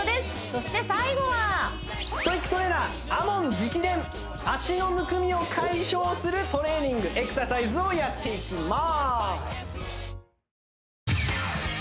そして最後はストイックトレーナーＡＭＯＮ直伝脚のむくみを解消するトレーニングエクササイズをやっていきます